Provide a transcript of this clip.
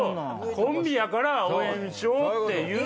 コンビやから応援しようっていう。